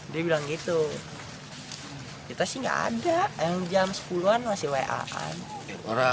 dia bilang gitu kita sih nggak ada yang jam sepuluh an masih wa an